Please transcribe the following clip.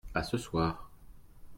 À ce soir.